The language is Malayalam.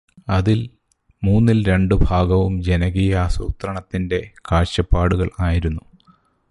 അതിൽ മൂന്നിൽരണ്ടു ഭാഗവും ജനകീയാസൂത്രണത്തിന്റെ കാഴ്ചപ്പാടുകൾ ആയിരുന്നു.